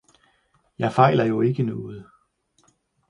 jeg fejler jo ikke noget!